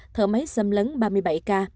thở máy xâm lấn ba mươi bảy ca